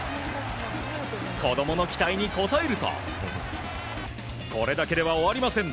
子供の期待に応えるとこれだけでは終わりません。